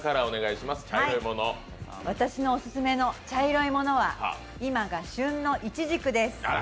私のオススメの茶色いものは、今が旬のイチジクです